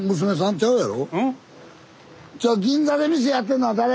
ちゃうやろ？